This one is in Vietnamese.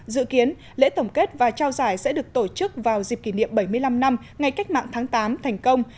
dự kiến lễ tổng kết và trao giải sẽ được tổ chức vào dịp kỷ niệm bảy mươi năm năm ngày cách mạng tháng tám thành công